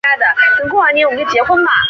现在总算有稳定落脚的地方